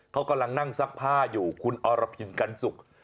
เขากำลังนั่งซักผ้าอยู่คุณอรพินกันสุก